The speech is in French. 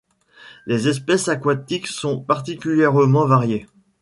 Les espèces aquatiques sont particulièrement variées.